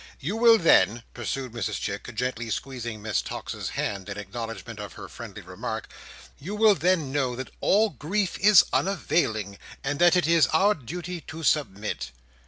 "You will then," pursued Mrs Chick, gently squeezing Miss Tox's hand in acknowledgment of her friendly remark, "you will then know that all grief is unavailing, and that it is our duty to submit."